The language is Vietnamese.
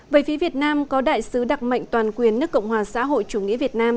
về phía việt nam có đại sứ đặc mệnh toàn quyền nước cộng hòa xã hội chủ nghĩa việt nam